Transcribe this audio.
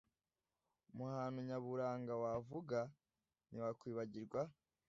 Mu hantu nyaburanga wavuga ntiwakwibagirwa